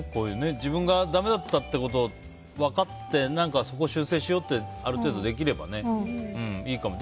自分がだめだったってことを分かって、そこを修正しようってある程度できればいいかも。